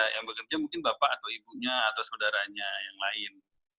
yang bekerja mungkin bapak atau ibunya atau saudaranya yang lain